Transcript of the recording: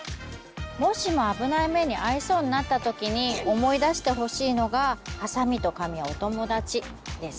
もしもあぶない目にあいそうになったときに思い出してほしいのが「ハサミとカミはお友だち」です。